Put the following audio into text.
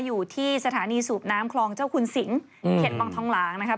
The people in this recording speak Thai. อยู่ที่สถานีสูบน้ำคลองเจ้าคุณสิง